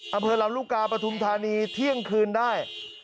อำเภอลำลูกกาปฐุมธานีเที่ยงคืนได้